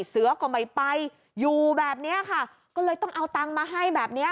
เสือก็ไม่ไปอยู่แบบเนี้ยค่ะก็เลยต้องเอาตังค์มาให้แบบเนี้ย